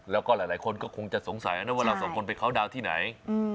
แล้วก็หลายคนก็คงจะสงสัยนะว่าเราสองคนไปเข้าดาวน์ที่ไหน